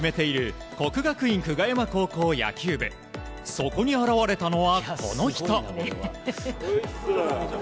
そこに現れたのはこの人。